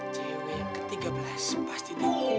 cewe yang ke tiga belas pasti